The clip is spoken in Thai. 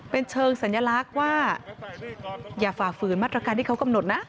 เป็นเชิงสัญลักษณ์ว่าอย่าฝ่าฝืนมาตรการที่เขากำหนดนะ